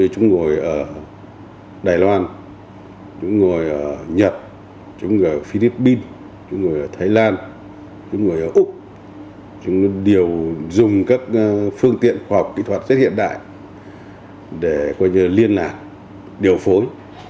chúng ngồi ở đài loan chúng ngồi ở nhật chúng ngồi ở philippines chúng ngồi ở thái lan chúng ngồi ở úc chúng đều dùng các phương tiện khoa học kỹ thuật rất hiện đại để liên lạc điều phối